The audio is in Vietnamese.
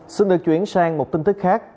xin được chuyển sang một tin tức khác